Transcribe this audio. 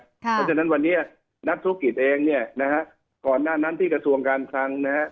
เพราะฉะนั้นวันนี้นักธุรกิจเองก่อนหน้านั้นที่กระทรวงการทาง